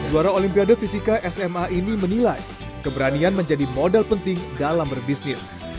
juara olimpiade fisika sma ini menilai keberanian menjadi modal penting dalam berbisnis